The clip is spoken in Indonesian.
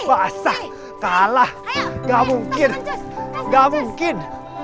basah kalah gak mungkin gak mungkin